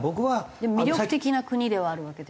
でも魅力的な国ではあるわけでしょ？